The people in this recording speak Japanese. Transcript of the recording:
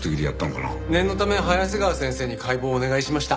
念のため早瀬川先生に解剖をお願いしました。